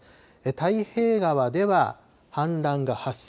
太平川では氾濫が発生。